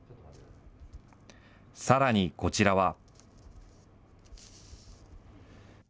さらにこちらは。